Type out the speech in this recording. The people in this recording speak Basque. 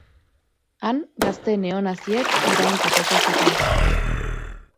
Han, gazte neonaziek irainka jaso zuten.